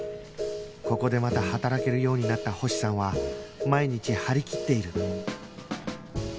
ここでまた働けるようになった星さんは毎日張り切っている